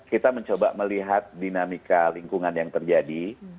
kita mencoba melihat dinamika lingkungan yang terjadi